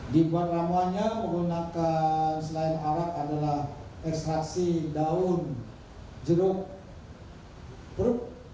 dibuat ramuannya menggunakan selain arak adalah ekstraksi daun jeruk perut